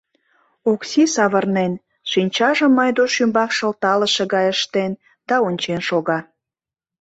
Окси, савырнен, шинчажым Айдуш ӱмбак шылталыше гай ыштен да ончен шога.